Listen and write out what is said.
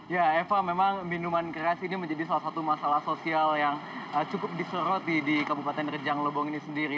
ya eva memang minuman keras ini menjadi salah satu masalah sosial yang cukup disoroti di kabupaten rejang lebong ini sendiri